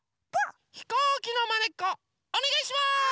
ひこうきのまねっこおねがいします！